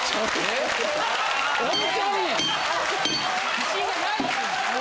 自信がない。